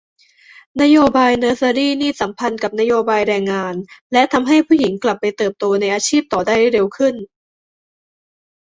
นโยบายเนอสเซอรีนี่สัมพันธ์กับนโยบายแรงงาน และทำให้ผู้หญิงกลับไปเติบโตในอาชีพต่อได้เร็วขึ้น